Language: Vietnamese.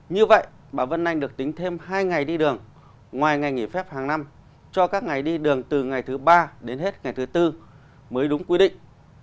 như vậy bà vân anh được tính thêm hai ngày đi đường ngoài ngày nghỉ phép hàng năm cho các ngày đi đường từ ngày thứ ba đến hết ngày thứ tư mới đúng quy định